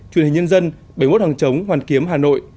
truyền hình nhân dân bảy mươi một hàng chống hoàn kiếm hà nội